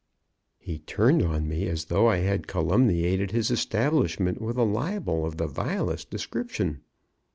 He turned on me as though I had calumniated his establishment with a libel of the vilest description.